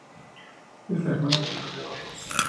Es la hermana menor de Ava Rose.